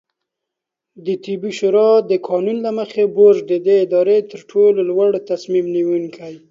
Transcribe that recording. دطبي شورا د قانون له مخې، بورډ د دې ادارې ترټولو لوړتصمیم نیونکې